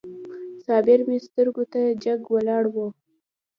صابر مې سترګو ته جګ ولاړ و.